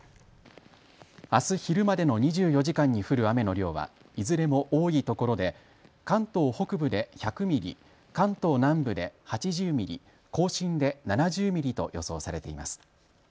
あす昼までの２４時間に降る雨の量はいずれも多いところで関東北部で１００ミリ、関東南部で８０ミリ、甲信で７０ミリと予想されています。